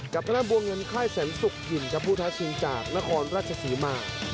กับทางด้านบัวเงินค่ายแสนสุกยิมครับผู้ท้าชิงจากนครราชศรีมา